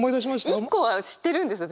一個は知ってるんです私。